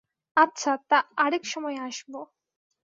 আচ্ছা, তা, আর-এক সময় আসব।